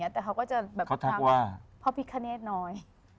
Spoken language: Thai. แต่เขาก็จะแบบพ่อพิฆาเนสน้อย